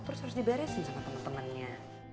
terus harus diberesin sama temen temennya